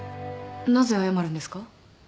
なぜ謝るんですか？